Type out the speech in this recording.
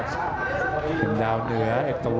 อัศวินาศาสตร์